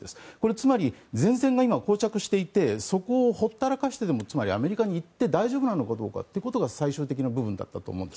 つまり、前線が今は膠着していてそこをほったらかしてでもつまりアメリカに行って大丈夫なのかどうかというのが最終的な部分だと思います。